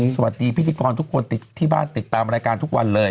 สวัสดีพิธีกรทุกคนติดที่บ้านติดตามรายการทุกวันเลย